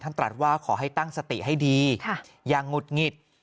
ตรัสว่าขอให้ตั้งสติให้ดีอย่างหุดหงิด